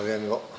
ada apa pak bos